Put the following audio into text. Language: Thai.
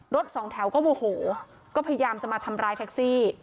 สองแถวก็โมโหก็พยายามจะมาทำร้ายแท็กซี่